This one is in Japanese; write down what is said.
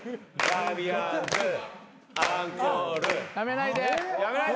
やめないで。